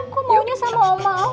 kok maunya sama oma oma ya